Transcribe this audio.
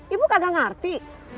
ibu kagak ngerti